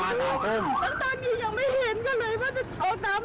ตั้งตาเมี้ยงยังไม่เห็นก็เลย